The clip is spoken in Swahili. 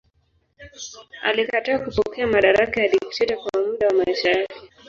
Alikataa kupokea madaraka ya dikteta kwa muda wa maisha yake.